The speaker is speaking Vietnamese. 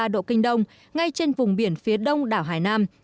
một trăm một mươi một ba độ kinh đông ngay trên vùng biển phía đông đảo hải nam